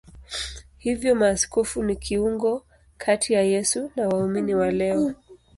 Hivyo maaskofu ni kiungo kati ya Yesu na waumini wa leo.